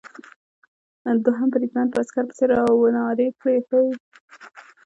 دوهم بریدمن په عسکر پسې را و نارې کړې: هې!